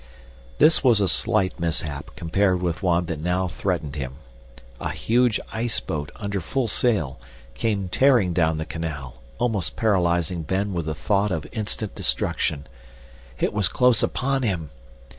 This was a slight mishap compared with one that now threatened him. A huge iceboat, under full sail, came tearing down the canal, almost paralyzing Ben with the thought of instant destruction. It was close upon him!